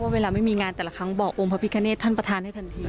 เวลาไม่มีงานแต่ละครั้งบอกองค์พระพิคเนตท่านประธานให้ทันที